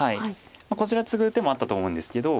こちらツグ手もあったと思うんですけど。